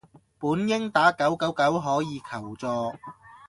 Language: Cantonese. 本應打九九九可以求助